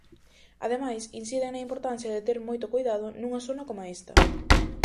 Ademais, inciden na importancia de ter moito coidado nunha zona coma esta.